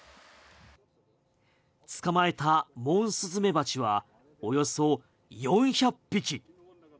捕まえたモンスズメバチはおよそ４００匹。